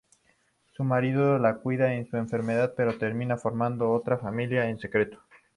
Su marido la cuida en su enfermedad pero termina formando otra familia en secreto.